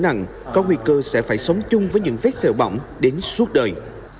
trở nặng có nguy cơ sẽ phải sống chung với những vết sẹo bỏng đến suốt đời